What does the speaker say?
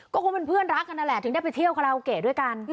ก็คงเป็นเพื่อนรักกันนั่นแหละถึงได้ไปเที่ยวคาราโอเกะด้วยกัน